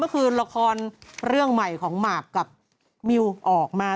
ก็คือละครเรื่องใหม่ของหมากกับมิวออกมา